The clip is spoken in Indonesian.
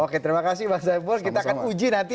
oke terima kasih bang zaipul kita akan uji nanti